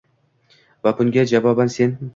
va bunga javoban sen